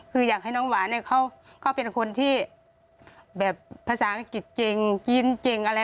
คืออยากให้น้องหวานเนี่ยเขาก็เป็นคนที่แบบภาษาอังกฤษเก่งกินเก่งอะไร